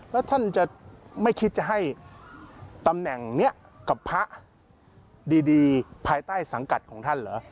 แล้วท่านจะไม่คิดจะให้ตำแหน่งนี้กับพระดีภายใต้สังกัดของท่านเหรอ